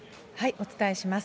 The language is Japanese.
お伝えします。